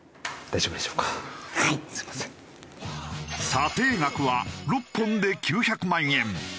査定額は６本で９００万円。